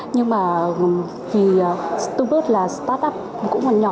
nhưng mà vì tu bất là start up cũng còn nhỏ